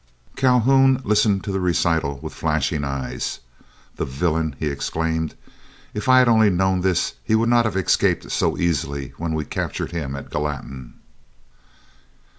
Calhoun listened to the recital with flashing eyes. "The villain!" he exclaimed; "if I had only known this he would not have escaped so easily when we captured him at Gallatin."